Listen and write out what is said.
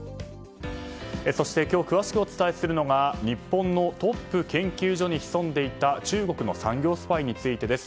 そして今日詳しくお伝えするのが日本のトップ研究所に潜んでいた中国の産業スパイについてです。